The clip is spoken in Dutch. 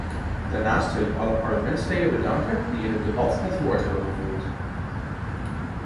Daarnaast wil ik alle parlementsleden bedanken die in het debat het woord hebben gevoerd.